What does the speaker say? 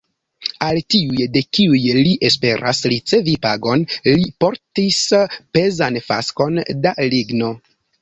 Al tiuj, de kiuj li esperas ricevi pagon, li portis pezan faskon da ligno.